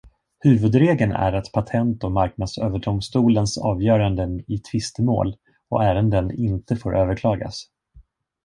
Huvudregeln är att Patent- och marknadsöverdomstolens avgöranden i tvistemål och ärenden inte får överklagas.